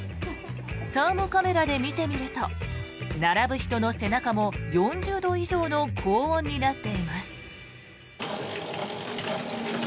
サーモカメラで見てみると並ぶ人の背中も４０度以上の高温になっています。